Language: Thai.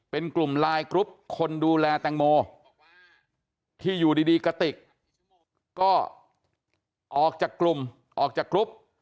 เป็นกลุ่มไลน์กรุ๊ปคนดูแลแตงโมที่อยู่ดีกติกก็ออกจากกลุ่มออกจากกรุ๊ป